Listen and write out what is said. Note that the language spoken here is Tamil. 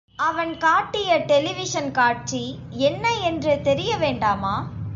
அவன் காட்டிய டெலிவிஷன் காட்சி என்ன என்று தெரியவேண்டாமா?